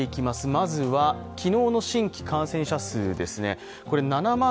まずは昨日の新規感染者数です。